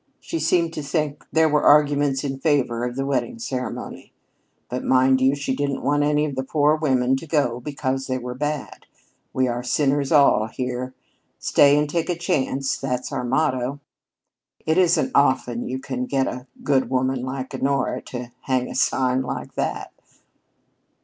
She seemed to think there were arguments in favor of the wedding ceremony. But, mind you, she didn't want any of the poor women to go because they were bad. We are sinners all here. Stay and take a chance, that's our motto. It isn't often you can get a good woman like Honora to hang up a sign like that."